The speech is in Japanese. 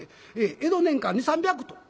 江戸年間２００３００頭。